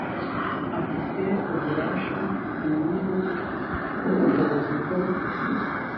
afite ububasha inyungu n ubushobozi bwo